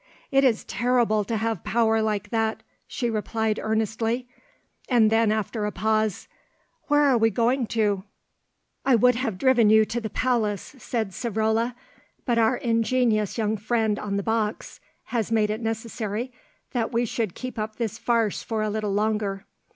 "It is terrible to have power like that," she replied earnestly; and then after a pause, "Where are we going to?" "I would have driven you to the palace," said Savrola, "but our ingenuous young friend on the box has made it necessary that we should keep up this farce for a little longer.